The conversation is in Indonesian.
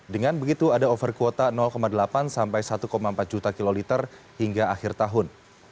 dengan begitu ada over kuota delapan sampai satu empat juta kiloliter hingga akhir tahun